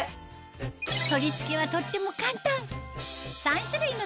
取り付けはとっても簡単！